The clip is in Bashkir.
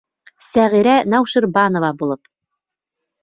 Сәғирә Науширбанова булып.